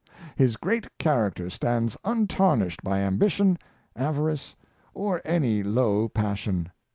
His great character stands untarnished by ambition, avarice, or any low passion.